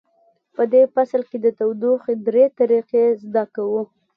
په دې فصل کې د تودوخې درې طریقې زده کوو.